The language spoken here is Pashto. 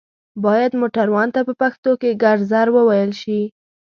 بايد موټروان ته په پښتو کې ګرځر ووئيل شي